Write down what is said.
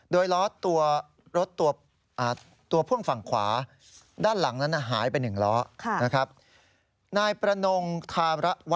โดยรถตัว